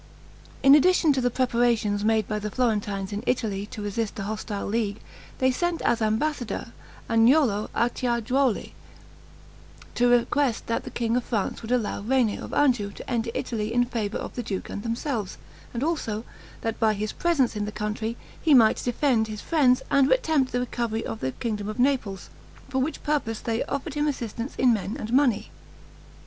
In addition to the preparations made by the Florentines in Italy to resist the hostile League, they sent as ambassador, Agnolo Acciajuoli, to request that the king of France would allow René of Anjou to enter Italy in favor of the duke and themselves, and also, that by his presence in the country, he might defend his friends and attempt the recovery of the kingdom of Naples; for which purpose they offered him assistance in men and money.